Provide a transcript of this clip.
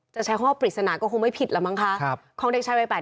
จะแช่ฝอกปฏิเสน่ห์ก็คงไม่ผิดละมั้งค่ะของเด็กชายเวลา